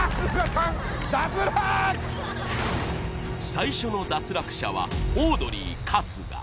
［最初の脱落者はオードリー春日］